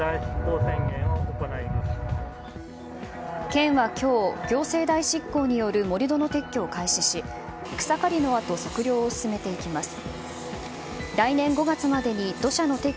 県は今日、行政代執行による盛り土の撤去を開始し草刈りのあと測量を進めていきます。